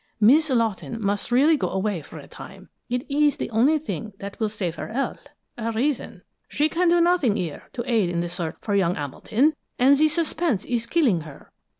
Miss Lawton must really go away for a time. It is the only thing that will save her health, her reason! She can do nothing here to aid in the search for young Hamilton, and the suspense is killing her.